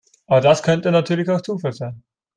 Aber das könnte natürlich auch Zufall sein.